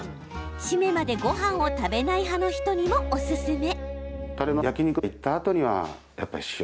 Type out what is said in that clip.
締めまでごはんを食べない派の人にもおすすめ。